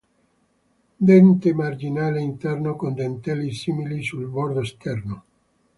Dente marginale interno con dentelli simili sul bordo esterno.